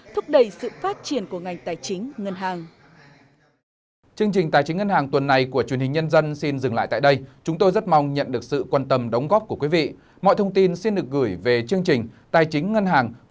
thúc đẩy sự phát triển của ngành tài chính ngân hàng